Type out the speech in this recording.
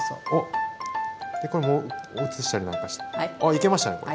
いけましたねこれ。